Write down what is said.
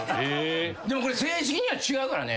でもこれ正式には違うからね。